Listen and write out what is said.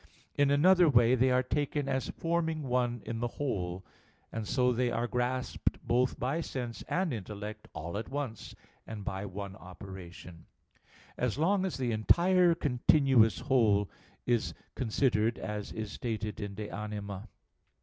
In another way they are taken as forming one in the whole; and so they are grasped both by sense and intellect all at once and by one operation; as long as the entire continuous whole is considered, as is stated in De Anima iii, text. 23.